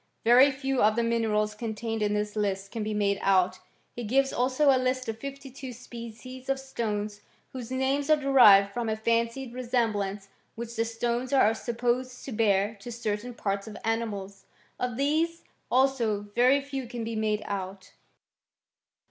Very few of the minerals contained in this list can be made out. He gives also a list of fifty two species of stones, whose names are derived from a fancied resemblance which the stones are supposed to bear to certain parts of animals. Of these, also, very few can be made out.